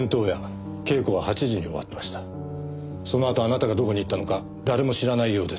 そのあとあなたがどこに行ったのか誰も知らないようですが。